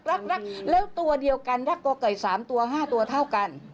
รักแล้วตัวเดียวกันรักก่อไก่๓ตัว๕ตัวเท่ากัน